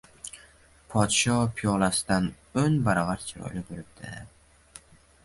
Podsho piyolasidan o‘n baravar chiroyli bo‘libdi